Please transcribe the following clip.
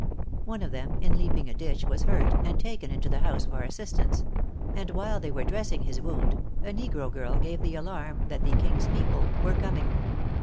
One of them, in leaping a ditch, was hurt, and taken into the house for assistance; and while they were dressing his wound, a negro girl gave the alarm that the "king's people" were coming.